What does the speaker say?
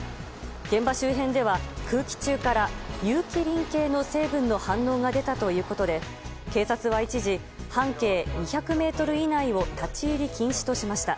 現場周辺では空気中から有機リン系の成分の反応が出たということで警察は一時半径２００ｍ以内を立ち入り禁止としました。